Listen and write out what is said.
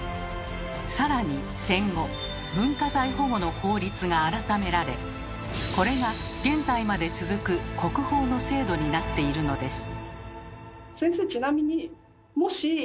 更に戦後文化財保護の法律が改められこれが現在まで続く「国宝」の制度になっているのです。